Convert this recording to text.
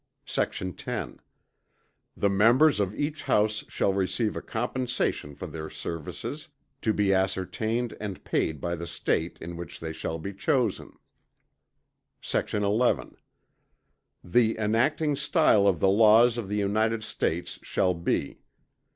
Sect. 10. The members of each House shall receive a compensation for their services, to be ascertained and paid by the State, in which they shall be chosen. Sect. 11. The enacting stile of the laws of the United States shall be.